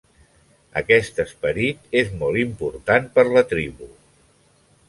Aquest esperit és molt important per la tribu.